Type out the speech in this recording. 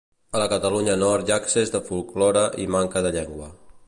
A la Catalunya nord hi ha excés de folclore i manca de llengua